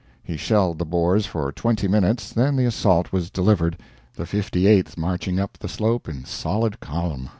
He shelled the Boers for twenty minutes, then the assault was delivered, the 58th marching up the slope in solid column.